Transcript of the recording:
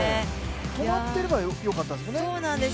止まってればよかったんですよね。